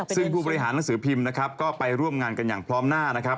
ซึ่งผู้บริหารนังสือพิมพ์ก็ไปร่วมงานกันอย่างพร้อมหน้า